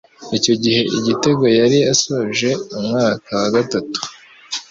Icyo gihe Igitego yari asoje umwaka wa gatanu